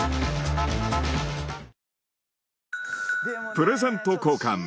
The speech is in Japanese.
プレゼント交換